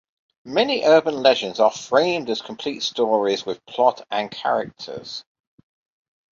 Many urban legends are framed as complete stories with plot and characters.